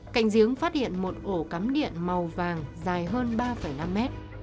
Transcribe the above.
cạnh giếng phát hiện một ổ cắm điện màu vàng dài hơn ba năm mét